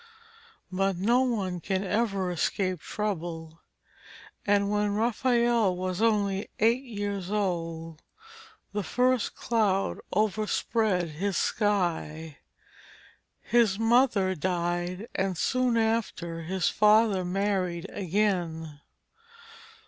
But no one can ever escape trouble, and when Raphael was only eight years old, the first cloud overspread his sky. His mother died, and soon after his father married again.